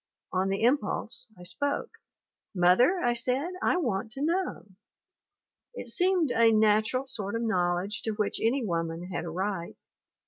... On the impulse I spoke. " 'Mother/ I said, 'I want to know ...?' "It seemed a natural sort of knowledge to which any woman had a right.